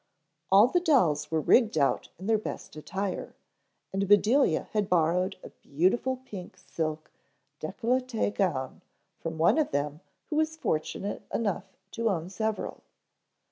All the dolls were rigged out in their best attire, and Bedelia had borrowed a beautiful pink silk dècolletè gown from one of them who was fortunate enough to own several.